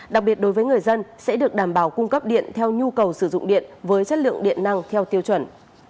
đặc biệt đối với người dân sẽ được đảm bảo cung cấp điện theo nhu cầu sử dụng điện với chất lượng điện năng theo tiêu chuẩn